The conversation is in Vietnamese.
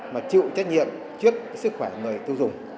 mà chịu trách nhiệm trước sức khỏe người tiêu dùng